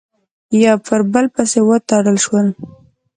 یو پر بل پسې وتړل شول،